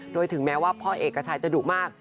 โดยถึงแม้ว่าพ่อเอกชัยจะดุมาก